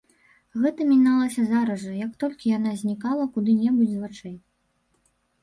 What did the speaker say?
Гэта міналася зараз жа, як толькі яна знікала куды-небудзь з вачэй.